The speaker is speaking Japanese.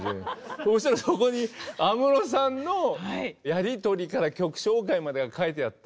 そうしたら、そこに安室さんのやり取りから曲紹介まで書いてあって。